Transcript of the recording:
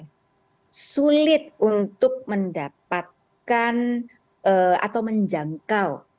jadi sulit untuk mendapatkan atau menjangkau